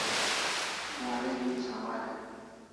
Wareg'in sawal